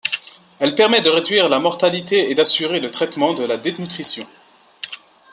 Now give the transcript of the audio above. Elle permet de réduire la mortalité et d'assurer le traitement de la dénutrition.